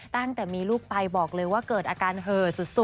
ตั้งแต่มีลูกไปบอกเลยว่าเกิดอาการเห่อสุด